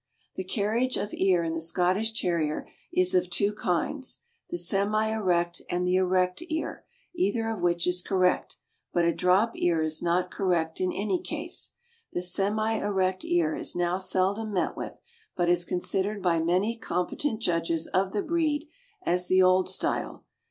The carriage of ear in the Scottish Terrier is of two kinds, the semi erect and the erect ear, either of which is correct; but a drop ear is not correct in any case. The semi erect ear is now seldom met with, but is considered by many competent judges of the breed as the old style.